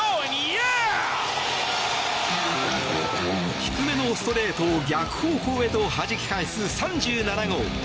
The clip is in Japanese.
低めのストレートを逆方向へとはじき返す３７号。